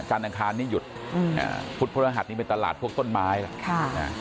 จานอังคารนี้หยุดอืมอ่าพุทธพระอาหารนี้เป็นตลาดพวกต้นไม้ค่ะ